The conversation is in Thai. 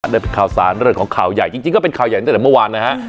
นี่เป็นข่าวสารเรื่องของข่าวใหญ่จริงก็เป็นข่าวใหญ่ตั้งแต่เมื่อวานนะฮะ